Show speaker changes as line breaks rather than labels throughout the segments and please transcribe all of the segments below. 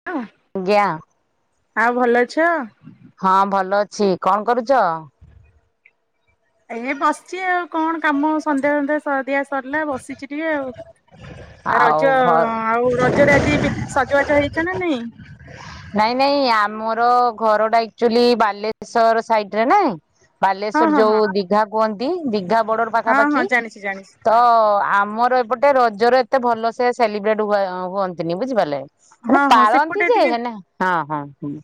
[inaudible]
ଆଜ୍ଞା।
ଆଉ ଭଲ ଅଛ।
ହଁ ଭଲ ଅଛି କଣ କରୁଚ?
ଏ ବସିଛି ଆଉ କଣ କାମ ସନ୍ଧ୍ୟା ସନ୍ଧ୍ୟା ଦିଆ ସରିଲା ବସିଛି ଟିକେ ଆଉ।
ଆଉ
ରଜ
ଘ
ଆଉ ରଜରେ ଆଜି ପି ସଜବାଜ ହେଇଛ ନା ନାଇଁ।
ନାଇଁ ନାଇଁ ଆମର ଘର ଟା ଆକ୍ଚୁଆଲି ବାଲେଶ୍ଵର ସାଇଡରେ ନାଇଁ।
ହଁ
ବାଲେଶ୍ଵର
ହଁ ହଁ
ଯୋଉ ଦିଘା କୁହନ୍ତି ଦିଘା ବର୍ଡର।
ହଁ
ପାଖାପାଖି
ହଁ ଜାଣିଛି ଜାଣିଛି
ତ
ହଁ
ଆମର ଏପଟେ ଟେ ରଜରେ ଏତେ ଭଲ ସେ ସେଲିବ୍ରେଟ ହୁ ହୁଅନ୍ତିନି ବୁଝିପାରିଲେ। ହେଲେ
ହଁ ହଁ
ପାଳନ୍ତି
ସେପଟେ
ଯେ
ଟିକେ
ହେନେ ହଁ ହଁ ହଁ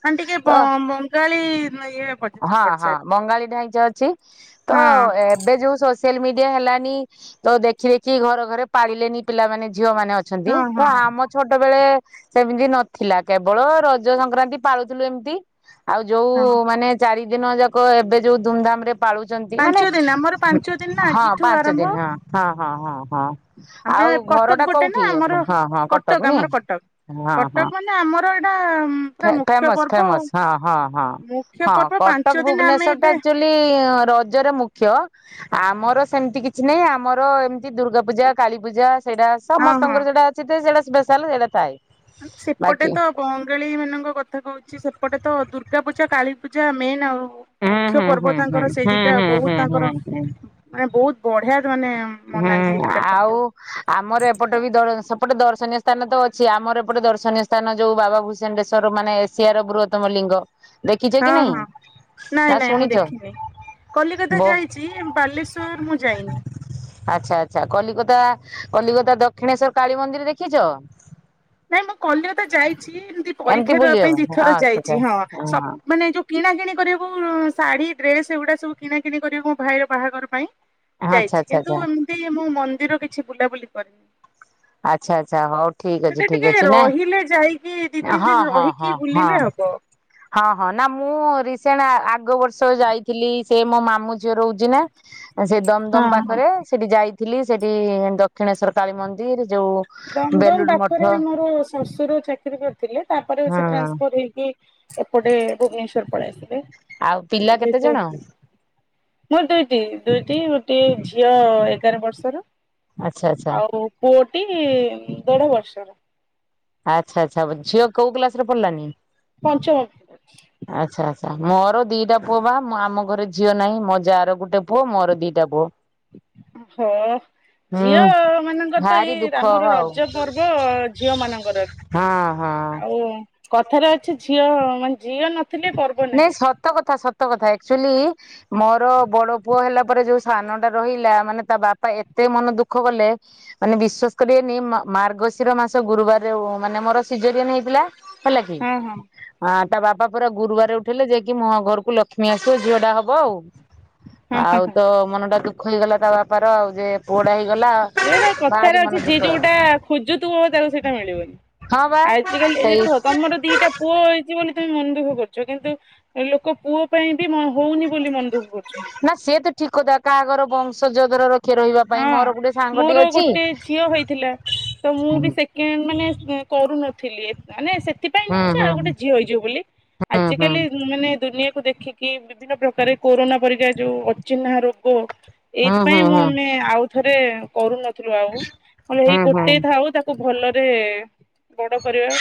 ତ
ମଙ୍ଗଳୀ ଇଏରେ ପ
ହଁ ହଁ ବଙ୍ଗାଳୀ ଢାଇଚ ଅଛି ତ
ହଁ
ଏବେ ଯୋଉ ଶୋ ସୋସିଆଲ ମିଡିଆ ହେଲାନି ତ ଦେଖି ଦେଖି ଘର ଘରେ ପାଳିଲେନି ପିଲାମାନେ ଝିଅ ମାନେ ଅ ଅଛନ୍ତି
ହଁ ହଁ
ତ ଆମ ଛୋଟବେଳେ ସେମିତି ନଥିଲା କେବଳ ରଜ ସଂକ୍ରାନ୍ତି ପାଳୁଥିଲୁ ଏମିତି। ଆଉ ଯୋଉ
ହଁ।
ମାନେ ଚାରି ଦିନ ଯାକ ଏବେ ଯୋଉ ଧୁମଧାମ ରେ ପାଳୁଛନ୍ତି
ପାଞ୍ଚ
ମାନେ
ଦିନ ଆମର ପାଞ୍ଚ ଦିନ ନା
ହଁ
ଆଜିଠୁ
ପାଞ୍ଚ
ଆରମ୍ଭ
ଦିନ ହଁ ହଁ ହଁ ହଁ ହଁ।
ଆମେ
ଆଉ ଘର
କଟକ
ଟା
ପଟେ ନା
କୋଉଠି
ଆମର
ଆପଣ ହଁ ହଁ କଟକ ନି।
ଆମର କଟକ। କଟକ ମାନେ ଆମର ଏଇଟା ପୁରା
ହଁ-ହଁ
ମୁଖ୍ୟ
ଫେମସ
ପର୍ବ ଆଉ।
ଫେମସ
ମୁଖ୍ୟ
ହଁ-ହଁ-ହଁ-ହଁ।
ପର୍ବ
କଟକ
ପାଞ୍ଚ ଦିନ ଆମେ
ଭୁବନେଶ୍ଵର ଟା
ଏବେ
ଏକ୍ଚୁଲି ରଜରେ ମୁଖ୍ୟ। ଆମର ସେମତି କିଛି ନାହିଁ ଆମର ଏମିତି ଦୁର୍ଗାପୂଜା କାଳୀପୂଜା ସେଇଟା
ହଁ ହଁ
ସମସ୍ତଙ୍କର ସେଟା ଅଛି ତେ ସେଟା ସ୍ପେଶାଲ ସେଇଟା ଥାଏ।
ମ ସେପଟେ
ବାକି
ତ ବଙ୍ଗାଳୀ ମାନଙ୍କ କଥା କହୁଚି ସେପଟେ ତ ଦୁର୍ଗା ପୂଜା କାଳୀ ପୂଜା ମେନ୍ ଆଉ।
ହୁଁ
ମୁଖ୍ୟ
ହୁଁ
ପର୍ବ
ହୁଁ ହୁଁ
ତାଙ୍କର ସେଇ
ହୁଁ
ଦିଟା
ହୁଁ
ବହୁତ
ହୁଁ ହୁଁ
ତାଙ୍କର
ହୁଁ
ମାନେ ବହୁତ ବଢିଆ ମାନେ। ମନାନ୍ତି ଏ
ହୁଁ
ଦିଟା
ଆଉ।
ପର୍ବ
ଆମର ଏପଟ ବି ଦ ସେପଟେ ଦର୍ଶନୀୟ ସ୍ଥାନ ତ ଅଛି ଆମର ଏପଟ ଦର୍ଶନୀୟ ସ୍ଥାନ ଯୋଉ ବାବା ଭୁଷ ଜେଣ୍ଡେଶ୍ଵର ମାନେ ଏସିଆର ବୃହତ୍ତମ ଲିଙ୍ଗ। ଦେଖିଛ କି ନାଇଁ
ହଁ-ହଁ
ନା
ନାଇଁ-ନାଇଁ ମୁଁ
ଶୁଣିଛ?
ଦେଖିନି କଲିକତା
ବୋ
ଯାଇଚି। ବାଲେଶ୍ଵର ମୁଁ ଯାଇନି।
ଆଚ୍ଛା ଆଚ୍ଛା କଲିକତା କଲିକତା ଦକ୍ଷିଣେଶ୍ଵର କାଳୀ ମନ୍ଦିର ଦେଖିଚ?
ନାଇଁ ମୁଁ କଲିକତା ଯାଇଚି ଏମତି
ଏମିତି
ପରୀକ୍ଷା ଦବା
ବୁଲିବା
ପାଇଁ ଦି ଥର
ଆଚ୍ଛା ଆଚ୍ଛା
ଯାଇଚି ହଁ, ସ
ହଁ।
ମାନେ ଯୋଉ କିଣାକିଣି କରିବୁ ଶାଢୀ ଡ୍ରେସ ଏଗୁଡା ସବୁ କିଣାକିଣି କରିବୁ ମୋ ଭାଇର ବାହାଘର ପାଇଁ।
ଆଚ୍ଛା ଆଚ୍ଛା
ଯାଇଚି କିନ୍ତୁ
ଆଚ୍ଛା
ଏମିତି ମୁଁ ମନ୍ଦିର କିଛି ବୁଲାବୁଲି କରିନି।
ଆଚ୍ଛା-ଆଚ୍ଛା ହଉ ଠିକ
ସେଟା
ଅଛି-ଠିକ
ଟିକେ
ଅଛି ନାଇଁ
ରହିଲେ ଯାଇକି ଦି ତିନି ଦିନ ରହିକି ବୁଲିଲେ
ହଁ-ହଁ-ହଁ-ହଁ।
ହବ।
ହଁ-ହଁ ନା ମୁଁ ରିସେଣ୍ଟ ଆଗ ବର୍ଷ ଯାଇଥିଲି ସେ ମୋ ମାମୁଁ ଝିଅ ରହୁଚି ନା। ସେ ଦମ
ହଁ
ଦମ
ହଁ।
ପାଖରେ ସେଠି ଯାଇଥିଲି ସେଠି ଦକ୍ଷିଣେଶ୍ଵର କାଳୀ ମନ୍ଦିର ଯୋଉ
ଦମଦମ
ବେଲୁର ମଠ
ପାଖରେ ମୋର ଶଶୁର ଚାକିରି କରିଥିଲେ ତାପରେ
ହୁଁ
ସେ ଟ୍ରାନ୍ସପର ହେଇକି। ଏପଟେ ଭୁବନେଶ୍ଵର ପଳେଇ ଆସିବେ।
ଆଉ ପିଲା କେତେଜଣ?
ମୋର ଦୁଇଟି ଦୁଇଟି ଗୋଟିଏ ଝିଅ ଏଗାର ବର୍ଷର।
ଆଚ୍ଛା ଆଚ୍ଛା
ଆଉ ପୁଅଟି ଦେଢ ବର୍ଷର।
ଆଚ୍ଛା ଆଚ୍ଛା ଝିଅ କୋଉ ଗ୍ଲାସ ରେ ପଡିଲାନି।
ପଞ୍ଚମ।
ଆଚ୍ଛା ଆଚ୍ଛା ମୋର ଦିଟା ପୁଅ ବା ମୁଁ ଆମ ଘରେ ଝିଅ ନାହିଁ ମୋ ଯା ର ଗୋଟେ ପୁଅ ମୋର ଦିଟା ପୁଅ।
ହଁ। ଝିଅ
ହୁଁ
ମାନଙ୍କର ତ
ଭାରି
ଏଇ
ଦୁଃଖ
ଆମର
ଆଉ
ରଜ ପର୍ବ ଝିଅ ମାନଙ୍କର। ଆଉ
ହଁ-ହଁ।
କଥାରେ ଅଛି ଝିଅ ମାନେ ଝିଅ ନଥିଲେ ପ
ନାଇଁ ସତ କଥା ସତ କଥା ଏକ୍ଚୁଲି ମୋର ବଡ ପୁଅ ହେଲା ପରେ ଯୋଉ ସାନ ଟା ରହିଲା ମାନେ ତା ବାପା ଏତେ ମନ ଦୁଃଖ କଲେ। ମାନେ ବିଶ୍ଵାସ କରିବେନି ମା ମାର୍ଗଶିର ମାସ ଗୁରୁବାରରେ ମାନେ ମୋର ସିଜରିୟାନ ହେଇଥିଲା। ହେଲା କି
ହଁ ହଁ।
ଆ ତା ବାପା ପରା ଗୁରୁବାର ଦେ ଉଠେଇଲେ ଯେ କି ମୋ ଘରକୁ ଲକ୍ଷ୍ମୀ ଆସିବେ ଝିଅ ଟା ହବ ଆଉ
ହଁ ହଁ
ଆଉ
ହଁ
ତ ମନ ଟା ଦୁ ହେଇଗଲା ତା ବାପାର ଆଉ ଯେ ପୁଅ ଟା ହେଇଗଲା ଆଉ।
ସେ ଗୋଟା କଥାରେ ଅଛି ଯିଏ ଯୋଉଟା ଖୋଜୁଥୁବ ତାକୁ ସେଇଟା ମିଳିବନି।
ହଁ ବା
ଆଜିକାଲି ଏଇ
ସେଇ
ଦେଖ ତମର ଦିଟା ପୁଅ ହେଇଚି ବୋଲି ତମେ ମନ ଦୁଃଖ କରୁଚ କିନ୍ତୁ ଲୋକ ପୁଅ ପାଇଁ ବି ମ ହଉନି ବୋଲି ମନ ଦୁଃଖ କରୁ [unintelligible]
ନା ସେ ତ ଠିକ କଥା କହା ଘର ବଂଶ ଜଦର ର ଖିଏ ରହିବା ପାଇଁ
ହଁ
ମୋର ଗୋଟେ ସାଙ୍ଗଟି
ମୋର
ଅଛି।
ଗୋଟେ ଝିଅ ହେଇଥିଲା। ତ ମୁଁ ବି
ହୁଁ
ସେକେଣ୍ଡ ମାନେ ଅଁ କରୁନଥିଲି ମାନେ ସେଥିପାଇଁ
ହୁଁ
ନୁହଯେ
ହୁଁ
ଆଉ ଗୋଟେ ଝିଅ ହେଇଯିବ ବୋଲି।
ହୁଁ
ଆଜିକାଲି
ହୁଁ
ମାନେ ଦୁନିଆକୁ ଦେଖି କି ବିଭିନ୍ନ ପ୍ରକାର କୋରୋନା ପରି ଯେ ଯୋଉ ଅଚିହ୍ନା ରୋଗ ଏଇଥିପାଇଁ
ହୁଁ ହୁଁ
ମୁଁ
ହୁଁ
ନେ ଆଉଥରେ କରୁନଥିଲୁ ଆଉ କହିଲେ ହେଇ
ହୁଁ ହୁଁ
ଗୋଟେ ଥାଉ ତାକୁ ଭଲରେ ବଡ କରିବା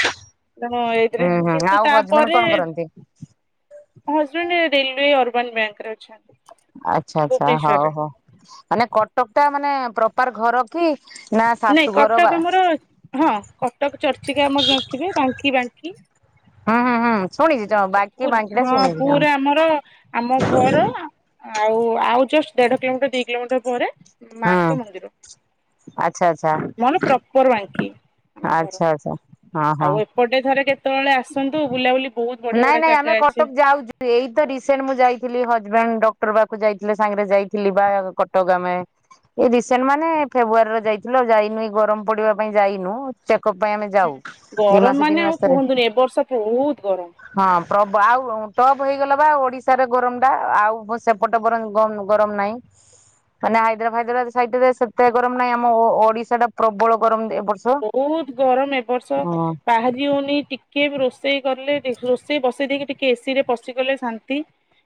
ତଣ ଏଇଥିରେ
ହୁଁ ହୁଁ
କିନ୍ତୁ
ଆଉ ହଜବେଣ୍ଡ
ତାପରେ
କଣ କରନ୍ତି?
ମୋ ହଜବେଣ୍ଡ ରେଲୱେ ଅର୍ବାନ ବ୍ୟାଙ୍କ ରେ ଅଛନ୍ତି।
ଆଛା ଆଚ୍ଛା
ଭୁବନେଶ୍ୱରରେ।
ହଉ ହଉ ମାନେ କଟକ ଟା ମାନେ ପ୍ରପାର ଘର କି? ନା
ନାଇଁ
ଶାଶୁ ଘର ବା
କଟକ ଆମର ହଁ କଟକ ଚର୍ଚ୍ଚିକା ଆମର ଥିବେ ବାଙ୍କି ବାଙ୍କି
ହୁଁ ହୁଁ ହୁଁ ଶୁଣିଛି ବାକି
ପା
ବାଙ୍କି ଟା
ହଁ
ଶୁଣିଛି
ପୁରା ଆମର ଆମ ଘର ଆଉ ଆଉ ଜଷ୍ଟ ଦେଢ କିଲୋମିଟର ଦି କିଲୋମିଟର ପରେ ମାଙ୍କ ମନ୍ଦିର।
ଆଚ୍ଛା ଆଚ୍ଛା
ମୋର ପ୍ରପର ବାଙ୍କି।
ଆଚ୍ଛା ଆଚ୍ଛା ହଁ ହଁ
ଗୋଟେ ଥରେ କେତେବେଳେ ଆସନ୍ତୁ ବୁଲାବୁଲି ବହୁତ ବଢିଆ
ନାଇଁ
ବଢିଆ
ନାଇଁ
ଜାଗା
ଆମେ
ଅଛି।
କଟକ ଯାଉଛୁ। ଏଇ ତ ରିସେଣ୍ଟ ମୁଁ ଯାଇଥିଲି ହଜବେଣ୍ଡ ଡକ୍ଟର ପାଖକୁ ଯାଇଥିଲ ସାଙ୍ଗରେ ଯାଇଥିଲି ବା କଟକ ଆ ଏଇ ରିସେଣ୍ଟ ମାନେ ଫେବୃୟାରୀରେ ଯାଇଥିଲ ଆଉ ଯାଇନୁ ଗରମ ପଡିବା ପାଇଁ ଯାଇନୁ। ଚେକଅପ୍ ପାଇଁ ଆମେ ଯାଉ ଦି
ଗରମ
ମାସ
ମାନେ
ତିନି
ଆଉ
ମାସ ଥରେ।
କୁହନ୍ତୁନି ଏ ବର୍ଷ ବହୁତ ଗରମ
ହଁ ଆଉ ଟପ୍ ହେଇଗଲା ବା ଓଡିଶାରେ ଗରମ ଟା ଆଉ ସେପଟେ [inaudible] ଗ ଗରମ ନାହିଁ ମାନେ ହାଇଦ୍ରା ଭାଇଦ୍ରାବାଦ ସାଇଡରେ ସେତେ ଗରମ ନାଇଁ ଆମ ଓଡିଶା ଟା ପ୍ରବଳ ଗରମ ଏ ବର୍ଷ।
ବହୁତ ଗରମ ଏବ ବର୍ଷ
ହଁ
ବାହାରି ହଉନି କିଏ ରୋଷେଇ କଲେ ରୋଷେଇ ବସେଇ ଦେଇକି ଟିକେ ଏସି ରେ ପଶିଗଲେ ଶାନ୍ତି।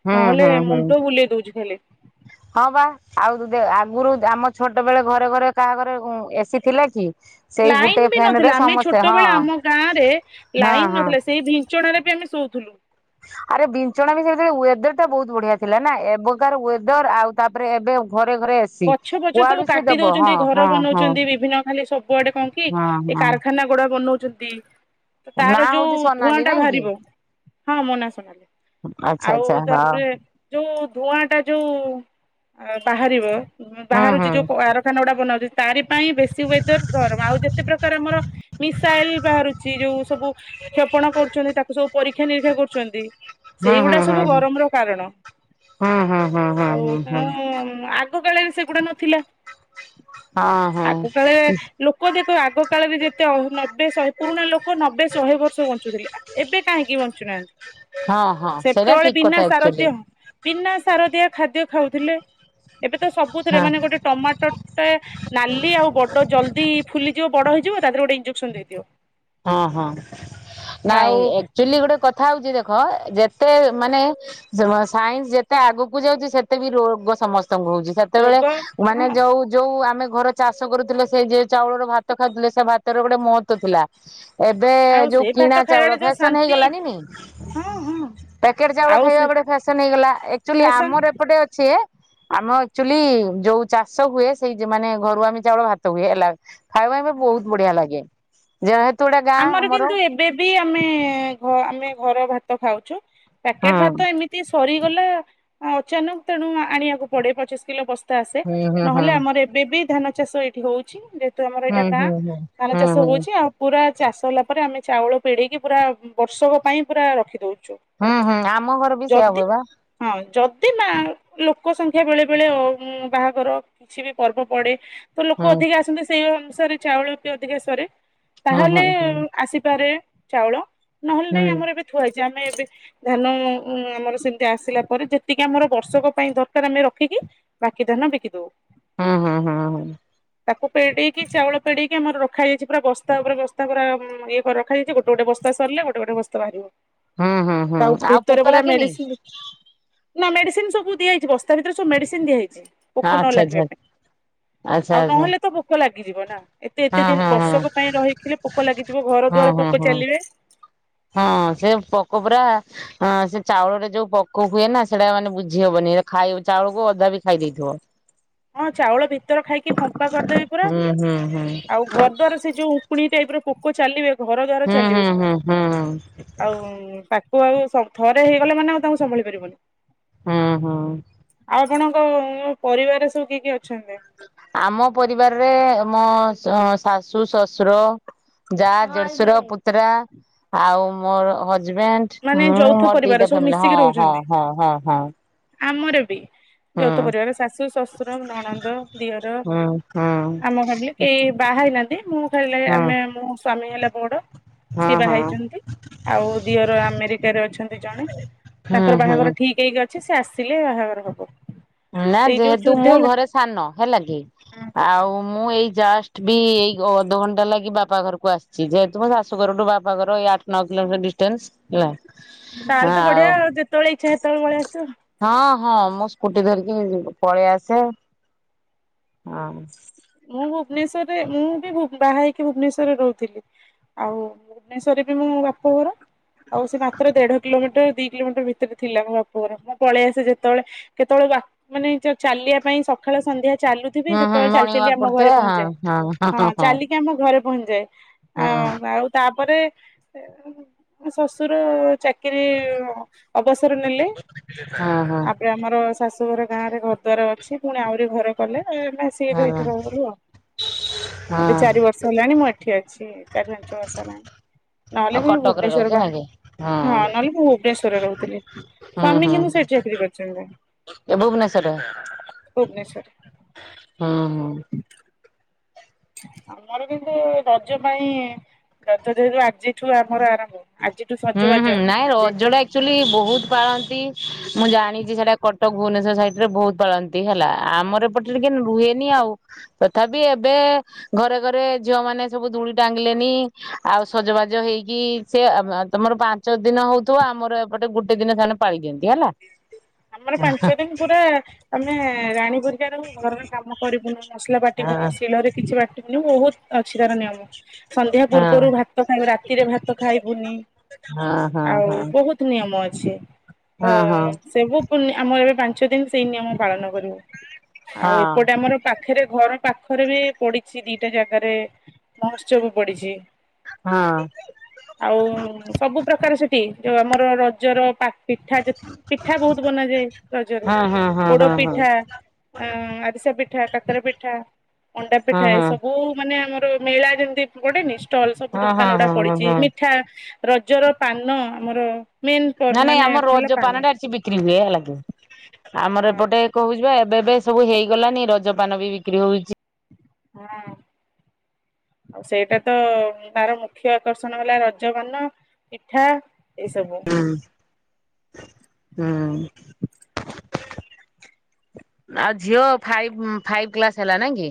ହୁଁ
ନହେଲେ
ହୁଁ ହୁଁ
ମୁଣ୍ଡ ବୁଲେଇ ଦଉଛି ଖାଲି।
ହଁ ବା ଆଉଦ ଆଗରୁ ଆମ ଛୋଟ ବେଳେ ଘରେ ଘରେ କାହାଘରେ ଏସିି ଥିଲା କି? ସେଇ ଗୋଟେ
ଲାଇନ୍ ବି
ଫ୍ୟାନ ରେ
ନଥିଲା ଆମେ
ସମସ୍ତେ ହଁ
ଛୋଟବେଳେ ଆମ ଗାଁରେ
ହଁ
ଲାଇନ୍
ହଁ
ନଥିଲା ସେଇ ବି ଚଣାରେ ବି ଆମେ ଶୋଉଥିଲୁ।
ଆରେ ବିଞ୍ଚଣା ବି ସେ ୱେଦର ଟା ବହୁତ ବଢିଆ ଥିଲା ନା ଏବେକାର ୱେଦର ଆଉ ତାପରେ ଏବେ ଘରେ ଘରେ ଏସି
ଗଛ ପଛ ସବୁ
କୁଆଡୁ ସିଏ
କାଟି
ଦବ
ଦଉଛନ୍ତି
ହଁ
ଘର
ହଁ ହଁ
ବନଉଛନ୍ତି ବିଭିନ୍ନ ଖାଲି ସ କୁଆଡେ କଣ କି
ହଁ
ଏ
ହଁ
କାରଖାନା ଗୁଡା ବନଉଛନ୍ତି।
ନା
ତାର ଯୋଉ
ହଉଛି
ଧୂଆଁ
ସୋନାଲି
ଟା
ନାଇଁ କି?
ବାହାରିବ ହଁ ମୋ ନାଁ ସୋନାଲିି।
ଆଚ୍ଛା
ଆଉ
ଆଚ୍ଛା
ତାପରେ
ହଁ
ଯୋଉ ଧୂଆଁ ଟା ଯୋଉ-ଉ-ଉ ଅ ବାହାରିବ ବାହାରୁଛି
ହୁଁ
ଯୋଉ କଳାର ଖାନା ଗୁଡା ବନାଉଛି ତାରି ପାଇଁ ବେଶୀ ୱେଦର ଗରମ ଆଉ ଯେତେ ପ୍ରକାର ଆମର ମିସାଇଲ ବାହାରୁଛି ଯୋଉ ସବୁ କ୍ଷେପଣା କରୁଛନ୍ତି ତାକୁ ସବୁ ପରୀକ୍ଷା ନିରୀକ୍ଷା କରୁଛନ୍ତି।
ହୁଁ ହୁଁ
ସେଇଗୁଡା
ହୁଁ
ସବୁ ଗରମ ର କାରଣ
ହୁଁ ହୁଁ ହୁଁ ହୁଁ
ଆଉ
ହୁଁ ହୁଁ ହୁଁ
ତେଣୁ-ଉ-ଉ ଆ ଆଗ କାଳେରେ ସେଇଗୁଡା ନଥିଲା
ହଁ ହଁ
ଆଗ କାଳେ ଲୋକ ଦେଖ ଆଗ କାଳରେ ଯେତେ ଅ ନବେ ଶହେ ପୁରୁଣା ଲୋକ ନବେ ଶହେ ବର୍ଷ ବଞ୍ଚୁଥିଲେ। ଏବେ କାହିଁକି ବଞ୍ଚୁନାହାନ୍ତି
ହଁ ହଁ ସେଇଟା
ସେତେବେଳେ
ଠିକ
ବିନା
କଥା ଆକ୍ଚୁଆଲି
ସାରଦୀୟ ବିନା ସାର ଦିଆ ଖାଦ୍ୟ ଖାଉଥିଲେ ଏବେ ତ ସବୁଥିରେ
ହଁ
ମାନେ ଗୋଟେ ଟମାଟୋ ଟାଏ ନାଲି ଆଉ ବଡ ଜଲ୍ଦି ଫୁଲିଯିବ ବଡ ହେଇଯିବ ତା ଦେହରେ ଗୋଟେ ଇଞ୍ଜେକ୍ସନ ଦେଇଦିଅ।
ହଁ ହଁ ନାଇଁ
ଆଉ
ଆକଚୁଲି ଗୋଟେ କଥା ହଉଛି ଦେଖ ଯେତେ ମାନେ ସାଇନ୍ସ ଯେତେ ଆଗକୁ ଯାଉଛି ସେତେ ବି ରୋଗ ସମସ୍ତଙ୍କୁ ହଉଛି ସେ ତେବେଳେ
ରୋଗ ହଁ
ମାନେ ଯୋଉ ଯୋଉ ଆମେ ଘର ଚାଷ କରୁଥିଲେ ସେ ଯେ ଚାଉଳର ଭାତ ଖାଉଥିଲେ ସେ ଭାତର ଗୋଟେ ମହତ୍ଵ ଥିଲା। ଏବେ-ଏ-ଏ
ଆଉ
ଯୋଉ
ସେ ଭାତ
କିଣା
ଖାଇବାରେ
ଚାଉଳ
ଯୋଉ
ଫେସନ
ଶାନ୍ତି
ହେଇଗଲାଣିନି।
ହଁ ହଁ
ପ୍ୟାକେଟ୍ ଚାଉଳ
ଆଉ
ଖାଇବା
ସେ
ଗୋଟେ ଫ୍ୟାସନ ହେଇଗଲା ଏକଚୁଲି
ଫ୍ୟାସନ
ଆମର ଏପଟେ ଅଛେ ଆମ ଆକ୍ଚୁଆଲି ଯୋଉ ଚାଷ ହୁଏ ସେଇ ଯ ମାନେ ଘରୁ ଆମେ ଚାଉଳ ଭାତ ହୁଏ ହେଲା। ଖାଇବା ପାଇଁ
ହଁ।
ବହୁତ ବଢିଆ ଲାଗେ ଯେହେତୁ ଏଇଟା ଗା
ଆମର କିନ୍ତୁ ଏବେ ବି ଆମେ-ଏ-ଏ-ଏ ଘ ଆମେ ଘର ଭାତ ଖାଉଛୁ ପ୍ୟାକେଟ
ହୁଁ
ଭାତ ଏମତି ତି ସରିଗଲା ଅଚାନକ ତେଣୁ ଆଣିବାକୁ ପଡେ ପଚିଶ କିଲୋ ବସ୍ ତା ଆସେ
ହୁଁ ହୁଁ ହୁଁ।
ନହେଲେ ଆମର ଏବେ ବି ଧାନ ଚାଷ ଏଇଠି ହଉଛି ଯେ ହେତୁ ଆମର ଏଇଟା
ହୁଁ
ଗାଁ
ହୁଁ ହୁଁ
ଧାନ
ହୁଁ ହୁଁ
ଚାଷ ହଉଛି
ହୁଁ
ଆଉ ପୁରା ଚାଷ ହେଲା ପରେ ଆମେ ଚାଉଳ ପେଡିକି ପୁରା ବର୍ଷକ ପାଇଁ ପୁରା ରଖିଦଉଛୁ।
ହୁଁ ହୁଁ ଆମ ଘର ବି ସେୟଆ
ଯଦି
ହୁଏ ବା।
ହଁ ଯଦି ନା ଲୋକ ସଂଖ୍ୟା ବେଳେ ବେଳେ ଅ ଉମ୍ ବାହାଘର କିଛି ବି ପର୍ବ ପଡେ ତ ଲୋକ
ହୁଁ
ଅଧିକା ଆସନ୍ତି ସେଇ ଅନୁସାରେ ଚାଉଳି ବି ଅଧିକା ସରେ।
ହଁ
ତାହେଲେ
ହଁ ହୁଁ।
ଆସିପାରେ ଚାଉଳ ନହେଲେ ନାଇଁ
ହୁଁ
ଆମର ଏବେ ଥୁଆ ହେଇଛି ଆମେ ଏବେ ଧାନ-ଅ-ଅ ଅ ଆମର ସେମିତି ଆସିଲା ପରେ ଯେତିକି ଆମର ବର୍ଷକ ପାଇଁ ଦରକାର ଆମେ ରଖିକି ବାକି ଧାନ ବିକି ଦଉ।
ହୁଁ ହୁଁ ହୁଁ ହୁଁ।
ତାକୁ ପେଡେଇକି ଚାଉଳ ପେଡେଇକି ଆମର ରଖାହେଇଯାଇଚି ପୁରା ବସ୍ତା ଉପରେ ବସ୍ ତା ପୁରା ଇଏ କରି ରଖାଯାଇଛି ଗୋଟେ ଗୋଟେ ବସ୍ତା ସରିଲେ ଗୋଟେ ଗୋଟେ ବସ୍ତା ବାହାରିବ।
ହୁଁ ହୁଁ
ତା ଉ
ହୁଁ ଆଉ
ଭିତରେ
ପୋକ
ପୁରା
ଲାଗେନି
ମେଡିସିନି ନା ମେଡିସିନ ସବୁ ଦିଆହେଇଚି ବସ୍ତା ଭିତରେ ସବୁ ମେଡିସିନ ଦିଆହେଇଚି। ପୋକ ନ
ଆଚ୍ଛା
ଲାଗିବା
ଆଚ୍ଛା
ପାଇଁ।
ଆଚ୍ଛା
ଆଉ
ଆଚ୍ଛା
ନହେଲେ ତ ପୋକ ଲାଗିଯିବ ନା ଏତେ ଏତେ ଦିନ
ହଁ
ବର୍ଷକ ପାଇଁ ରହିଥିଲେ ପୋକ ଲାଗିଯିବ ଘର ଦ୍ୱାର ପୋକ ଚାଲିବେ।
ହଁ-ଅ-ଅ ସେ ପୋକ ପୁରା ହଁ ସେ ଚାଉଳରେ ଯୋଉ ପୋକ ହୁଏ ନା ସେଇଟା ମାନେ ବୁଝି ହବନି ଏରା ଖାଇଆ ଚାଉଳକୁ ଅଧା ବି ଖାଇଦେଇଥିବ।
ହଁ ଚାଉଳ ଭିତର ଖାଇକି ଫମ୍ପା କରିଦେବେ ପୁରା।
ହୁଁ ହୁଁ ହୁଁ
ଆଉ ଘରଦ୍ୱାର ସେ ଯୋଉ ଉଙ୍କୁଣି ଟାଇପ୍ ର ପୋକ ଚାଲିବେ ଘରଦ୍ୱାର ଚାଲିବେ
ହୁଁ ହୁଁ
ସେମାନେ
ହୁଁ ହୁଁ
ଆଉ-ଉ-ଉ-ଉ ତା କୁ ଆଉ ସ ଥରେ ହେଇଗଲେ ମାନେ ଆଉ ତାଙ୍କୁ ସମ୍ଭାଳି ପାରିବନି।
ହୁଁ ହୁଁ।
ଆଉ ଆପଣଙ୍କ ପରିବାରରେ ସବୁ କିଏ କିଏ ଅଛନ୍ତି?
ଆମ ପରିବାରରେ ମୋ ଶାଶୁ, ଶଶୁର ଜା, ଦେଡ଼ସୁର, ପୁତ୍ରା ଆଉ ମୋର ହଜବେଣ୍ଡ
ମାନେ
ହୁଁ
ଯୌଥ
ମୋର
ପରିବାର
ଦିଟା
ସବୁ
ଫ୍ୟାମିଲି
ମିଶିକି ରହୁଛନ୍ତି
ହଁ-ହଁ-ହଁ-ହଁ-ହଁ।
ଆମର ବି। ଯୌଥ ପରିବାର ଶାଶୁ, ଶଶୁର, ନଣନ୍ଦ, ଦିଅର
ହୁଁ ହୁଁ
ଆମ ଫ୍ୟାମିଲୀ। କେହି ବାହା ହେଇନାହାନ୍ତି ମୁଁ
ହୁଁ
ଆମେ ମୋ ସ୍ଵାମୀ ହେଲା ବଡ
ହଁ
ସିଏ ବାହା
ହଁ
ହେଇଛନ୍ତି ଆଉ ଦିଅର ଆ ଆମେରିକାରେ ଅଛନ୍ତି ଜଣେ
ହୁଁ
ତାଙ୍କର
ହୁଁ।
ବାହାଘର ଠିକ୍ ହେଇକି ଅଛି ସେ ଆସିଲେ ବାହାଘର ହବ।
ନା
ସେଇ ଯୋଉ
ଯେହେତୁ
ଯୁଦ୍ଧ
ମୁଁ
ଲ
ଘରେ ସାନ ହେଲା କି ଆଉ ମୁଁ ଏଇ ଜଷ୍ଟ ବି ଏଇ ଅଧଘଣ୍ଟା ଲାଗି ବାପା ଘରକୁ ଆସିି ସି ଯେହେତୁ ମୋ ଶଶୁଘରଠୁ ବାପାଘର ଏଇ ଆଠ ନଅ କିଲୋମିଟର ଡିଷ୍ଟାନ୍ସ। ହେଲା
ତାହେଲେ
ହଁ
ତ ବଢିଆ
ଆଉ
ଯେତେବେଳେ ଇଚ୍ଛା ସେତେବେଳେ ପଳେଇ ଆସିବ।
ହଁ-ହଁ ମୁଁ ସ୍କୁଟି ଧରିକି ପଳେଇ ଆସେ ହଁ।
ମୁଁ ଭୁବନେଶ୍ୱରରେ ମୁଁ ବି ବାହା ହେଇକି ଭୁବନେଶ୍ୱରରେ ରହୁଥିଲି। ଆଉ ଭୁବନେଶ୍ୱରରେ ବି ମୁଁ ମୋ ବାପ ଘର। ଆଉ ସେ ମାତ୍ର ଦେଢ କିଲୋମିଟର ଦି କିଲୋମିଟର ଭିତରେ ଥିଲା ମୋ ବାପଘର ମୁଁ ପଳେଇ ଆସେ ଯେତେବଳେ କେତେବେଳେ ବା ମାନେ ଚାଲିବା ପାଇଁ ସକାଳେ ସନ୍ଧ୍ୟା ଚାଲୁଥିବି
ହୁଁ ହୁଁ
ସେତେବେଳେ ଚାଲି
ମର୍ଣ୍ଣିଂ
ଚାଲି
ୱାକ୍
ଆମ
କରୁଥିବେ
ଘରେ ପହଞ୍ଚିଯାଏ
ହଁ
ହଁ ଚାଲିକି ଆମ ଘରେ ପହଞ୍ଚିଯାଏ। ଆଉ
ହଁ।
ଆଉ ତାପରେ, ଶଶୁର ଚା କିରି ଅବସର ନେଲେ
ହଁ ହଁ
ତାପରେ
ହଁ
ଆମର ଶାଶୁ ଶାଶୁଘର ଗାଁ ରେ ଘର ଦ୍ୱାର ଅଛି ପୁଣି ଆହୁରି ଘର କଲେ ନା ସିଏ ରହି ଏଠି
ହଁ
ରହିଗଲୁ ଆଉ। ଏବେ
ହଁ
ଚାରି ବର୍ଷ ହେଲାଣି ମୁଁ ଏଠି ଅଛି ଚାରି ପାଞ୍ଚ ବର୍ଷ ହେଲାଣି। ନହେଲେ
ଆଉ
ବି
କଟକରେ ରହୁଛ
ଭୁବନେଶ୍ୱର ବା
ନାଇଁ କି?
ହଁ ନହେଲେ ମୁଁ ଭୁବନେଶ୍ୱରରେ ରହୁଥିଲି
ହୁଁ
ସ୍ୱାମୀ
ହୁଁ
କିନ୍ତୁ
ହୁଁ
ସେଇଠି ଚାକିରି କରି ଛନ୍ତି।
ଏ ଭୁବନେଶ୍ୱର
ଭୁବନେଶ୍ୱର।
ହଁ ହଁ।
ହୁଁ। ଆମର କିନ୍ତୁ ରଜ ପାଇଁ ରଜ ରେ ଆଜିଠୁ ଆମର ଆରମ୍ଭ। ଆଜିଠୁ
ହୁଁ
ସଜବାଜ
ହୁଁ ନାଇଁ
ଆଜି
ରଜଟା ଆକଚୁଆଲି ବୋହୁତ ପାଳନ୍ତି। ମୁଁ ଜାଣିଚି ସେଟା କ ଭୁବନେଶ୍ୱର ସାଇଟ୍ ରେ ବୋହୁତ ପାଳନ୍ତି ହେଲା। ଆମର ଏପଟେରେ କିନ୍ ହୁଏନି ଆଉ। ତଥାବି ଏବେ। ଘରେ ଘରେ ଝିଅ ମାନେ ସବୁ ଦୋଳି ଟାଙ୍ଗିଲେନି ଆଉ ସଜବାଜ ହେଇକି ସେ ତମର ପାଞ୍ଚ ଦିନ ହଉଥିବ ଆମର ଏପଟେ ଗୋଟେ ଦିନ ସେମାନେ ପାଳି ଦିଅନ୍ତି ହେଲା।
ମାନେ ପାଞ୍ଚ ଦିନି ପୁରା ଆମେ ରାଣୀପରି। କାରଣ ଘରର କାମ କରିବୁନୁ ମସଲା
ନାଇଁ
ବାଟିବୁନୁ ଶିଳରେ କିଛି ବାଟିବୁନି ବୋହୁତ ଅଛି ତାର ନିୟମ ସନ୍ଧ୍ୟା ପୂର୍ବରୁ ଭାତ ଖାଇବୁ ରାତିରେ ଭାତ ଖାଇବୁନି।
ଅଁ ହଁ
ଆଉ
ହଁ।
ବହୁତ ନିୟମ ଅଛି ସବୁ ପୂନି ଆମର ଏବେ ପାଞ୍ଚ ଦିନ ସେଇ ନିୟମ ପାଳନ କରିବୁ। ଆଉ ଏପଟେ ଆମର। ପାଖରେ ଘର ପାଖରେ ବି ପଡିଛି ଦିଟା ଜାଗାରେ ମହୋତ୍ସବ ପଡିଛି।
ହଁ।
ଆଉ ସବୁ ପ୍ରକାର ସେଠି ଯୋଉ ଆମର ରଜର ପାଟି ପିଠା ଯେତିକି। ପିଠା ବହୁତ ବନାଯାଏ ରଜରେ ପୋଡ ପିଠା। ଆରିସା ପିଠା, କାକାରା ପିଠା, ମଣ୍ଡା ପିଠା ଏ ସବୁ ମାନେ ଆମର ମେଳା ଯେମିତି ଗୋଟେ ଷ୍ଟଲ୍ ସବୁ ଦୋକାନ ଗୁଡା ପଡିଛି ମିଠା। ରଜର ପାନ ଆମର। ମେନ୍
ନାଇଁ ନାଇଁ
ମାନେ
ଆମର
ହେଲା
ରଜ
ପାନ
ପାନଟା ଏଠି ବିକ୍ରି ହୁଏ ହେଲାକି। ଆମର
ହଁ
ଏପଟେ କହୁଛିିପା। ଏବେ ଏବେ ସବୁ ହେଇଗଲାନି ରଜପାନ ବି ବିକ୍ରି ହଉଚି।
ହୁଁ। ଆଉ ସେଇଟା ତ ତାର ମୁଖ୍ୟ ଆକର୍ଷଣ ହେଲା ରଜପାନ। ପିଠା ଏସବୁ।
ହୁଁ ହୁଁ। ଆଉ ଝିଅ ଫାଇଵି ଫାଇଭି କ୍ଲାସ ହେଲା ନାଇଁ କି?